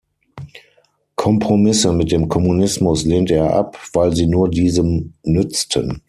Kompromisse mit dem Kommunismus lehnte er ab, weil sie nur diesem nützten.